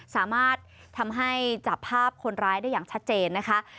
สามารถทำให้จับภาพคนร้ายได้อย่างชัดเจนนะคะ